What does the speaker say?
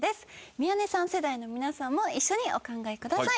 宮根さん世代の皆さんも一緒にお考えください。